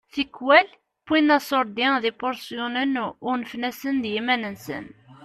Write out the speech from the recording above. Tikwal wwin aṣurdi d ipuṛsyunen u unfen-asen d yiman-nsen.